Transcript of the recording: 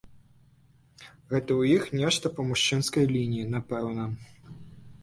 Гэта ў іх нешта па мужчынскай лініі, напэўна.